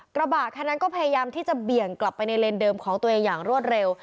กระบะคันนั้นก็พยายามที่จะเบี่ยงกลับไปในเลนเดิมของตัวเองอย่างรวดเร็ว